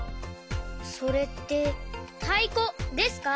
それってたいこですか？